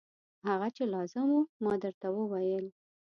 هغه چې لازم و ما درته وویل.